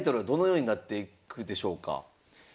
どのようになっていくでしょうか？